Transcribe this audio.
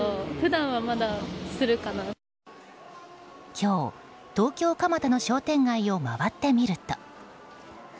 今日、東京・蒲田の商店街を回ってみると。